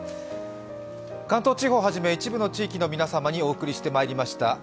関東地方をはじめ一部の地域の皆様にお送りしてまいりました